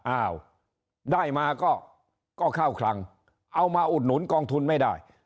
อ้าวได้มาก็เข้าคลังเอามาอุดหนุนกองทุนไม่ได้